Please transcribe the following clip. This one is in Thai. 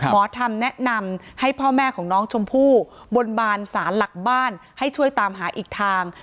หมอธรรมแนะนำให้พ่อแม่ของน้องชมพู่บนบานสารหลักบ้านให้ช่วยตามหาอีกทาง